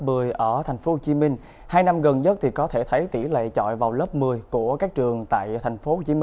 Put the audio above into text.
lớp một mươi ở tp hcm hai năm gần nhất có thể thấy tỷ lệ trọi vào lớp một mươi của các trường tại tp hcm